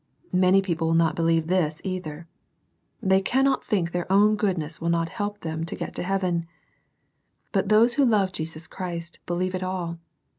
Many people will not believe this either. They cannot think their own goodness will not help to get them to heaven. But those who love Jesus Christ believe it all.